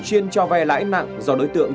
chuyên cho vay lãi nặng do đối tượng